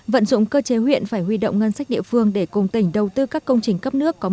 vận dụng cơ chế huyện phải huy động ngân sách địa phương để cùng tỉnh đầu tư các công trình cấp nước